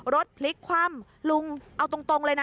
รถพลิกคว่ำลุงเอาตรงเลยนะ